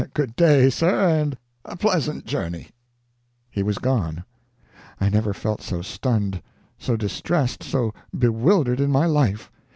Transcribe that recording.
Good day, sir, and a pleasant journey." He was gone. I never felt so stunned, so distressed, so bewildered in my life.